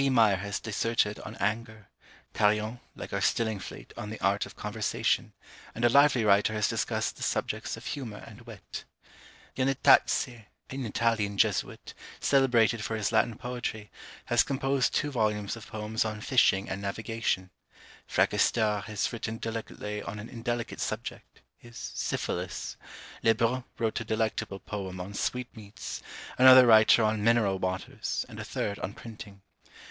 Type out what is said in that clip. Meyer has disserted on Anger; Tarillon, like our Stillingfleet, on the Art of Conversation; and a lively writer has discussed the subjects of Humour and Wit. Giannetazzi, an Italian Jesuit, celebrated for his Latin poetry, has composed two volumes of poems on Fishing and Navigation. Fracastor has written delicately on an indelicate subject, his Syphilis. Le Brun wrote a delectable poem on Sweetmeats; another writer on Mineral Waters, and a third on Printing.